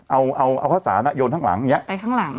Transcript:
เอาเอาข้าวสารโยนข้างหลังอย่างนี้ไปข้างหลัง